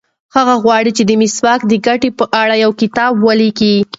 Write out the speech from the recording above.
هغه غواړي چې د مسواک د ګټو په اړه یو کتاب ولیکي.